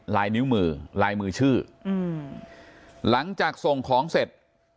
ลายนิ้วมือลายมือชื่อหลังจากส่งของเสร็จ